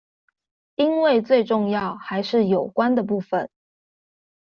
因為最重要還是有關的部分